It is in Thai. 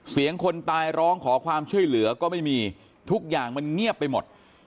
คนตายร้องขอความช่วยเหลือก็ไม่มีทุกอย่างมันเงียบไปหมด